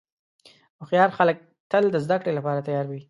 هوښیار خلک تل د زدهکړې لپاره تیار وي.